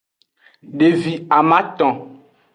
Devi amaton.